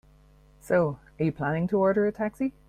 So, are you planning to order a taxi?